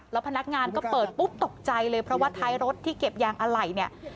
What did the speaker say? แล้วพนักงานก็เปิดปุ๊บตกใจเลยเพราะว่าท้ายรถที่เก็บยางอะไหล่เนี่ย